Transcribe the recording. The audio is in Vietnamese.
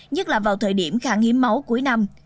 nhất là vào thời điểm kháng hiếm máu cuối năm